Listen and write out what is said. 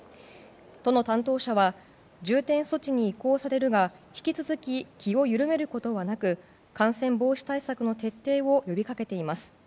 都の担当者は重点措置に移行されるが引き続き、気を緩めることなく感染防止対策の徹底を呼びかけています。